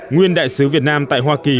nguyên đại sứ việt nam tại hoa kỳ